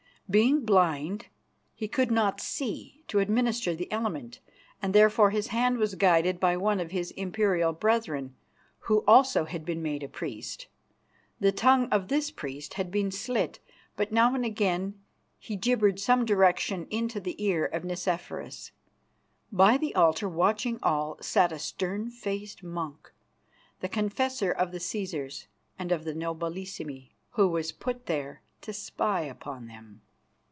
Being blind, he could not see to administer the Element, and therefore his hand was guided by one of his imperial brethren, who also had been made a priest. The tongue of this priest had been slit, but now and again he gibbered some direction into the ear of Nicephorus. By the altar, watching all, sat a stern faced monk, the confessor of the Cæsars and of the Nobilissimi, who was put there to spy upon them.